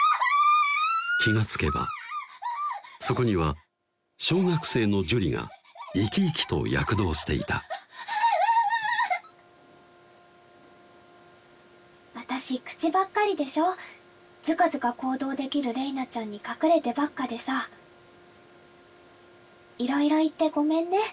気が付けばそこには小学生の珠理が生き生きと躍動していた「あわ」「私口ばっかりでしょズカズカ行動できる令依菜ちゃんに隠れてばっかでさいろいろ言ってごめんね